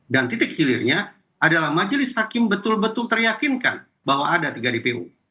dan titik gilirnya adalah majelis hakim betul betul teryakinkan bahwa ada tiga dpo